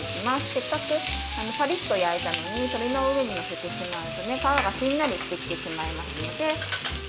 せっかくカリッと焼いたのに鶏の上に載せてしまうと皮がしんなりしてきてしまうので。